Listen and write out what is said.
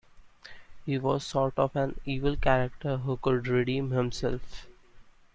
He was sort of an evil character who could redeem himself.